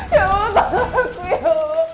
ya allah tolong aku ya allah